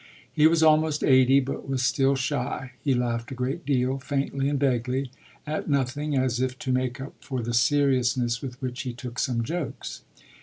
He was almost eighty but was still shy he laughed a great deal, faintly and vaguely, at nothing, as if to make up for the seriousness with which he took some jokes.